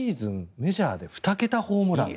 メジャーで２桁ホームラン。